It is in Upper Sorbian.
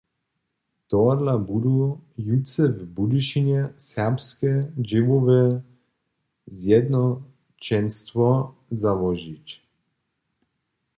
Tohodla budu jutře w Budyšinje serbske dźěłowe zjednoćenstwo załožić.